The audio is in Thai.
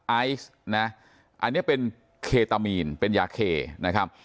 ไอซ์นะอันนี้เป็นเคตามีนเป็นยาเคนะครับ